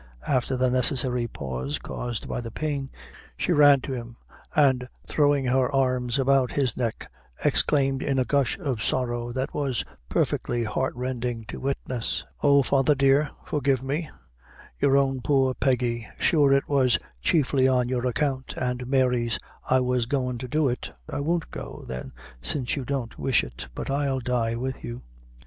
After the necessary pause caused by the pain, she ran to him, and, throwing her arms about his neck, exclaimed in a gush of sorrow that was perfectly heart rending to witness "Oh! father dear, forgive me your own poor Peggy; sure it was chiefly on your account and Mary's I was goin' to do it. I won't go, then, since you don't wish it; but I'll die with you."